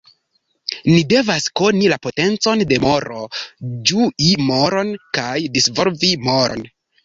Ni devas koni la potencon de moro, ĝui moron kaj disvolvi moron.